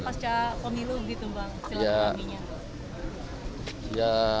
tapi kan pasca pemilu gitu bang silaturahminya